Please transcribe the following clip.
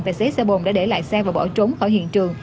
tài xế xe bồn đã để lại xe và bỏ trốn khỏi hiện trường